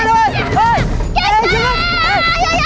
saya benar benar menghargai publikum